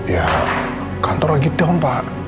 ya kantor lagi tempak